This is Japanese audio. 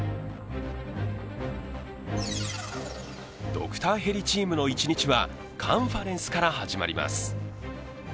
ドクターヘリチームの一日は、カンファレンスから始まります。